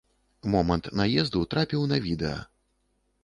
Момант наезду трапіў на відэа.